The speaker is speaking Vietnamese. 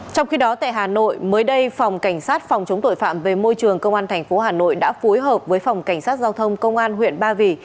trong khi đó tại hà nội mới đây phòng cảnh sát phòng chống tội phạm về môi trường công an tp hà nội đã phối hợp với phòng cảnh sát giao thông công an huyện ba vì